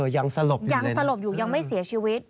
ยังสะลบอยู่ยังไม่เสียชีวิต